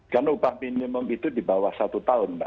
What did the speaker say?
karena upah minimum itu di bawah satu tahun mbak